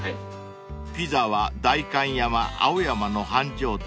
［ピザは代官山青山の繁盛店］